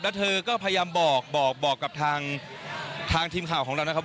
แล้วเธอก็พยายามบอกบอกกับทางทีมข่าวของเรานะครับ